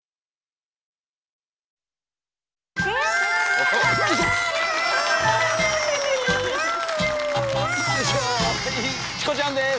はいチコちゃんです。